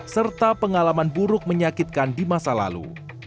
serta pengalaman buruk menyakitkan di masa lalu